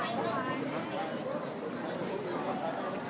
และที่อยู่ด้านหลังคุณยิ่งรักนะคะก็คือนางสาวคัตยาสวัสดีผลนะคะ